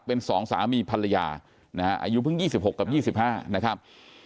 เป็นสองสามีภรรยานะฮะอายุเพิ่ง๒๖กับ๒๕นะครับ